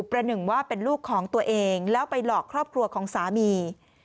ประหนึ่งว่าเป็นลูกของตัวเองแล้วไปหลอกครอบครัวของสามี